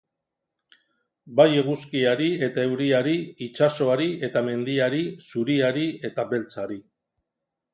Bai eguzkiari eta euriari, itsasoari eta mendiari, zuriari eta beltzari.